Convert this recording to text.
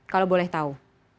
kalau boleh tahu